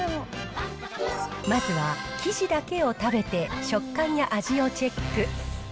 まずは生地だけを食べて食感や味をチェック。